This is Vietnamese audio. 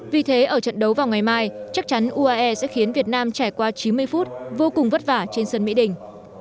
vì thế ở trận đấu vào ngày mai chắc chắn uae sẽ khiến việt nam trải qua chín mươi phút vô cùng vất vả trên sân mỹ đình